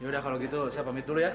ya udah kalau gitu saya pamit dulu ya